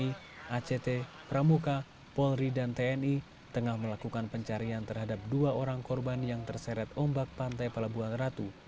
tiga orang dari basarnas pmi act pramuka polri dan tni tengah melakukan pencarian terhadap dua orang korban yang terseret ombak pantai pelabuhan ratu